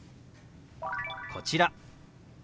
こちら。